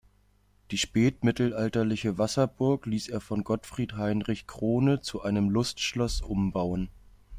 Die spätmittelalterliche Wasserburg ließ er von Gottfried Heinrich Krohne zu einem Lustschloss umbauen.